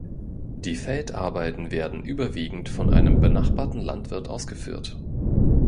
Die Feldarbeiten werden überwiegend von einem benachbarten Landwirt ausgeführt.